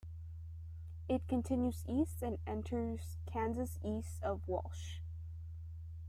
It continues east and enters Kansas east of Walsh.